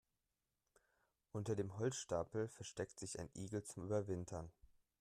Unter dem Holzstapel versteckte sich ein Igel zum Überwintern.